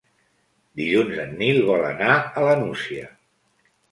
Dilluns en Nil vol anar a la Nucia.